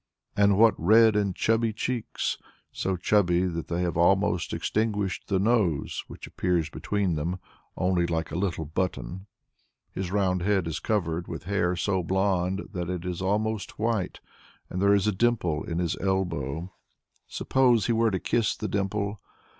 And what red and chubby cheeks, so chubby that they have almost extinguished the nose, which appears between them only like a little button! His round head is covered with hair so blond that it is almost white, and there is a dimple in his elbow. Suppose he were to kiss the dimple?